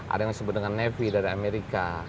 ada yang disebut dengan navy dari amerika